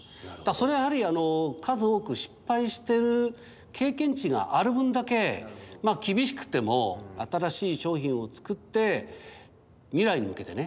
それはやはり数多く失敗してる経験値がある分だけ厳しくても新しい商品を作って未来に向けてね